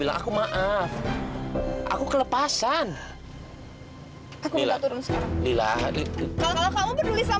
kamu gak pernah lihat aku